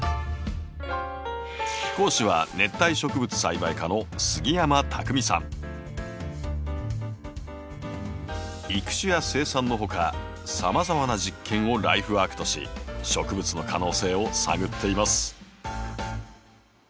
講師は育種や生産のほかさまざまな実験をライフワークとし植物の可能性を探っています。